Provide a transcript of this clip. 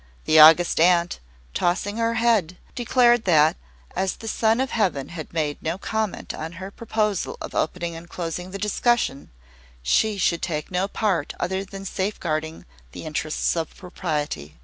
The August Aunt, tossing her head, declared that, as the Son of Heaven had made no comment on her proposal of opening and closing the discussion, she should take no part other than safeguarding the interests of propriety.